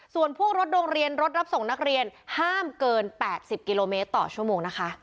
ส่วนพวกรถโรงเรียนรถรับส่งนักเรียนห้ามเกิน๘๐กิโลเมตรต่อชั่วโมงนะคะ